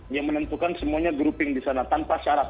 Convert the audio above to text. yang menentukan semuanya grouping di sana tanpa syarat